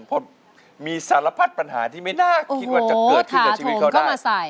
เพราะมีสารพัดปัญหาที่ไม่น่าคิดว่าจะเกิดขึ้นกับชีวิตเขานะ